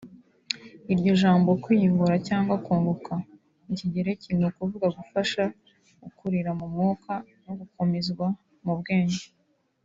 Iryo jambo “kwiyungura” cyangwa “kunguka” mu kigereki ni ukuvuga gufasha gukurira mu Mwuka no gukomezwa mu bwenge